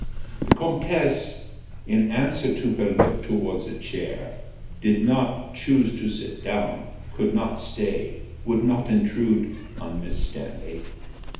The comtesse, in answer to her look towards a chair, did not "choose to sit down could not stay would not intrude on Miss Stanley."